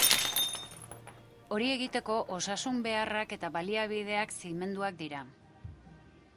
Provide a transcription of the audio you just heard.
Hori egiteko, osasun beharrak eta baliabideak zimenduak dira.